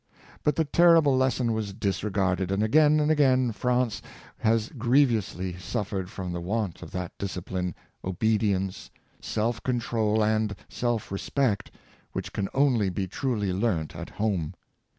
'' But the terrible lesson was disregarded, and again and again France has grievously suffered from the want of that discipline, obedience, self control and self respect which can only be truly learnt at home.